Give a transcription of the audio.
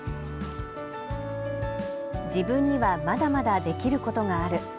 自分にはまだまだできることがある。